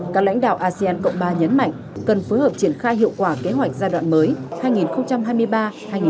các lãnh đạo asean cộng ba nhấn mạnh cần phối hợp triển khai hiệu quả kế hoạch giai đoạn mới hai nghìn hai mươi ba hai nghìn ba mươi